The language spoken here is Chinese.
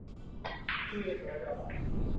义乌市全境内用义乌话交流没有任何困难。